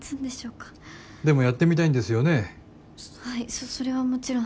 そそれはもちろん。